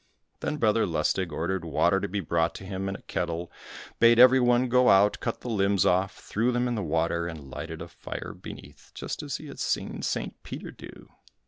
Then Brother Lustig ordered water to be brought to him in a kettle, bade every one go out, cut the limbs off, threw them in the water and lighted a fire beneath, just as he had seen St. Peter do.